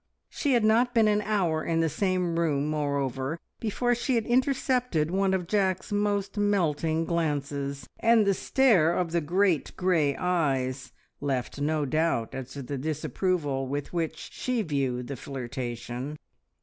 She had not been an hour in the same room, moreover, before she had intercepted one of Jack's most melting glances, and the stare of the great grey eyes left no doubt as to the disapproval with which she viewed the flirtation.